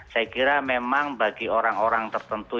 saya kira memang bagi orang orang tertentu